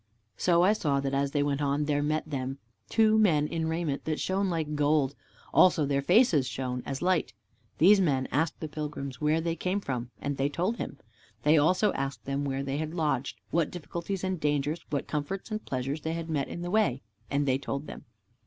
So I saw that as they went on, there met them two men in raiment that shone like gold, also their faces shone as the light. These men asked the pilgrims where they came from, and they told them. They also asked them where they had lodged, what difficulties and dangers, what comforts and pleasures they had met in the way, and they told them.